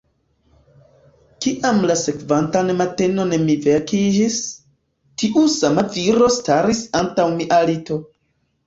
Kiam la sekvantan matenon mi vekiĝis, tiu sama viro staris antaŭ mia lito.